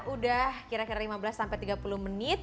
udah kira kira lima belas sampai tiga puluh menit